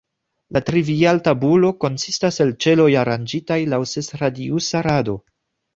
La trivial-tabulo konsistas el ĉeloj aranĝitaj laŭ ses-radiusa rado.